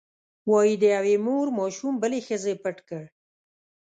وایي د یوې مور ماشوم بلې ښځې پټ کړ.